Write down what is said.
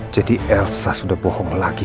jadi elsa sudah bohong lagi